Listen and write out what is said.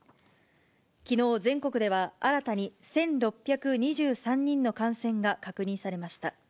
きのう、全国では新たに１６２３人の感染が確認されました。